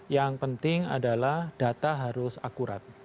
yang penting adalah data harus akurat